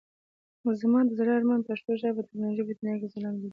زما د زړه ارمان پښتو ژبه د ټکنالوژۍ په دنيا کې ځلانده ليدل دي.